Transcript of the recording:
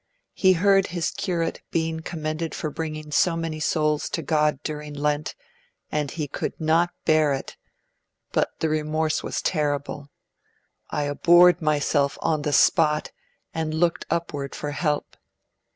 He heard his curate being commended for bringing so many souls to God during Lent, and he 'could not bear it'; but the remorse was terrible: 'I abhorred myself on the spot, and looked upward for help.'